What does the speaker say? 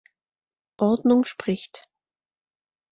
Ordnung spricht.